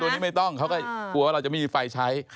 นี้ไม่ต้องเขาก็กลัวว่าเราจะไม่มีไฟใช้